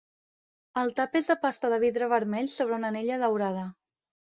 El tap és de pasta de vidre vermell sobre una anella daurada.